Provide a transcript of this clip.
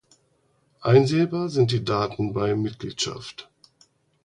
Einsehbar sind die Daten bei Mitgliedschaft.